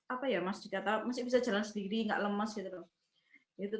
apa ya masih bisa jalan sendiri nggak lemas gitu